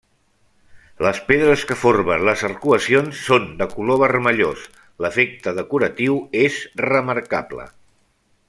Les pedres que formen les arcuacions són de color vermellós; l'efecte decoratiu és remarcable.